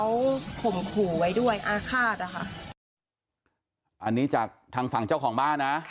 อันนี้จากทางศัลเจ้าของบ้านนะ